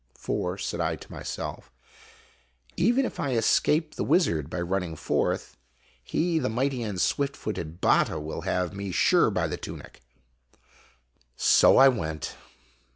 "For," said I to my self, "even if I escape the wizard by running forth, he, the mighty and swift footed Batta, will have me sure by the tunic." So I went.